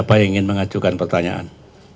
apakah dengan mengintensifkan pertemuan dengan